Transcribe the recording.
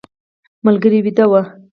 ملګري ویده و.